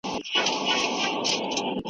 دولت باید زکات په سمه توګه وویشي.